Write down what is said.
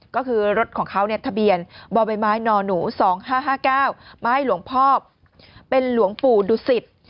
ก็คือรถของเขาเนี่ยทะเบียนบมน๒๕๕๙ไม้หลวงพ่อเป็นหลวงปู่ดุศิษฐ์